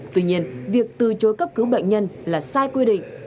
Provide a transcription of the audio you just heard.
tuy nhiên việc từ chối cấp cứu bệnh nhân là sai quy định